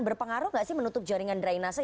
berpengaruh tidak menutup jaringan drainasa